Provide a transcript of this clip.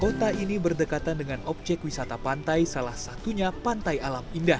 kota ini berdekatan dengan objek wisata pantai salah satunya pantai alam indah